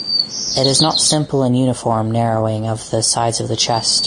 It is not simple and uniform narrowing of the sides of the chest